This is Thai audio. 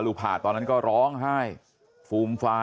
ชาวบ้านในพื้นที่บอกว่าปกติผู้ตายเขาก็อยู่กับสามีแล้วก็ลูกสองคนนะฮะ